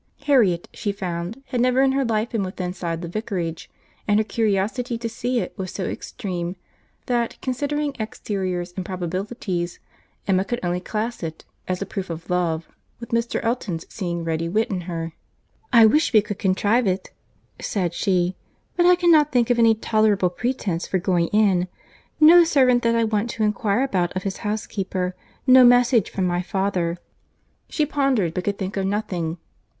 Harriet, she found, had never in her life been inside the Vicarage, and her curiosity to see it was so extreme, that, considering exteriors and probabilities, Emma could only class it, as a proof of love, with Mr. Elton's seeing ready wit in her. "I wish we could contrive it," said she; "but I cannot think of any tolerable pretence for going in;—no servant that I want to inquire about of his housekeeper—no message from my father." She pondered, but could think of nothing.